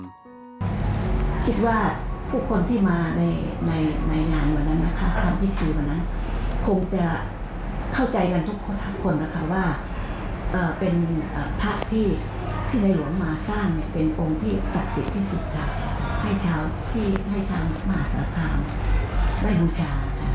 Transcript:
ที่ได้หลวงมาสร้างเป็นโปรงที่ศักดิ์สิทธิ์ที่สุขครับให้ชาวที่ให้ชาวมหาสารคามได้บูชา